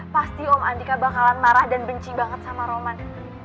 pasti om andika bakalan marah dan benci banget sama roman